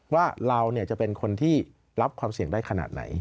ว่าเราจะเป็นคนที่รับความเสี่ยงได้ขนาดไหน